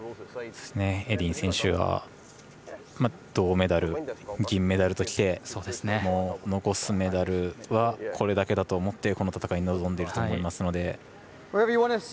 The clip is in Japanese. エディン選手は銅メダル、銀メダルときて残すメダルはこれだけだと思ってこの戦いに臨んでいると思いますので。